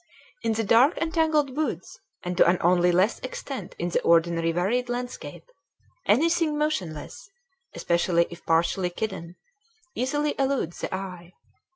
In the dark and tangled woods, and to an only less extent in the ordinary varied landscape, anything motionless, especially if partially hidden, easily eludes the eye.